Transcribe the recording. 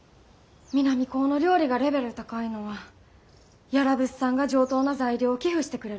南高の料理がレベル高いのは屋良物産が上等な材料を寄付してくれるからって。